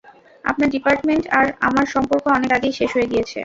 আপনার ডিপার্টমেন্ট আর আমার সম্পর্ক অনেক আগেই শেষ হয়ে গিয়েছে।